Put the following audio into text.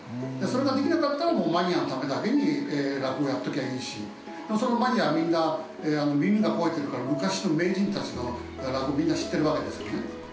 それができなかったらマニアのためだけに落語やっときゃいいしそのマニアはみんな耳が肥えてるから昔の名人たちの落語をみんな知ってるわけですよね。